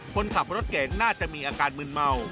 คนขับรถเก่งน่าจะมีอาการมืนเมา